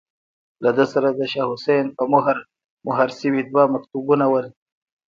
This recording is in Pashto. له ده سره د شاه حسين په مهر، مهر شوي دوه مکتوبونه ول.